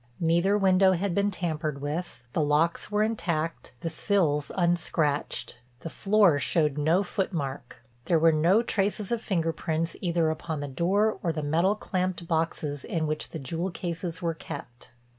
Neither window had been tampered with, the locks were intact, the sills unscratched, the floor showed no foot mark. There were no traces of finger prints either upon the door or the metal clamped boxes in which the jewel cases were kept.